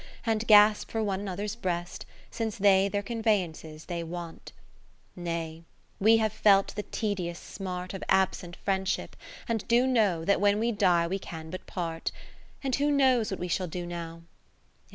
And gasp for one another's breast, Since their conveyances they want. (546) III Nay, we have felt the tedious smart Of absent Friendship, and do know That when we die we can but part ; And who knows what we shall do now